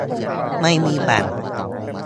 ไม่มีแบ่ง